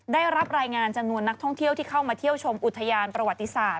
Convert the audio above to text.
ได้รับรายงานจำนวนนักท่องเที่ยวที่เข้ามาเที่ยวชมอุทยานประวัติศาสต